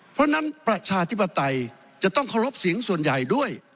เพราะฉะนั้นประชาธิปไตยจะต้องเคารพเสียงส่วนใหญ่ด้วย